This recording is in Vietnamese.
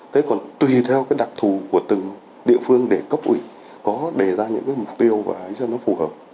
thế còn tùy theo cái đặc thù của từng địa phương để cấp ủy có đề ra những cái mục tiêu và ấy cho nó phù hợp